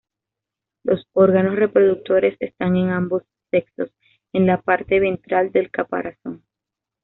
Los órganos reproductores están, en ambos sexos, en la parte ventral del caparazón.